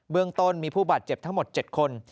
เมืองต้นมีผู้บาดเจ็บทั้งหมด๗คน